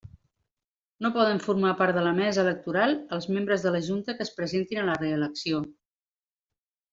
No poden formar part de la Mesa Electoral els membres de la Junta que es presentin a la reelecció.